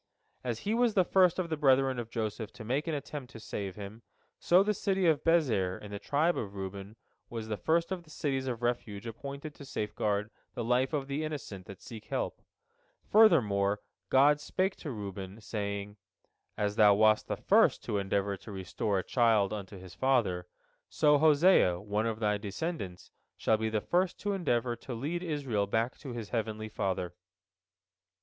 As he was the first of the brethren of Joseph to make an attempt to save him, so the city of Bezer in the tribe of Reuben was the first of the cities of refuge appointed to safeguard the life of the innocent that seek help. Furthermore God spake to Reuben, saying: "As thou wast the first to endeavor to restore a child unto his father, so Hosea, one of thy descendants, shall be the first to endeavor to lead Israel back to his heavenly Father."